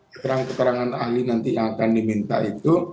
keterangan keterangan ahli nanti yang akan diminta itu